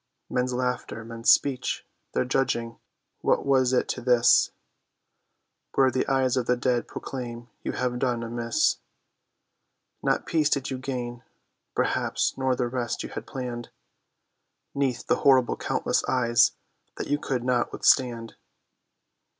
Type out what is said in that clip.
Men's laughter, men's speech, their judging, what was it to this Where the eyes of the dead proclaim you have done amiss. Not peace did you gain, perhaps, nor the rest you had planned, 'Neath the horrible countless eyes that you could not withstand?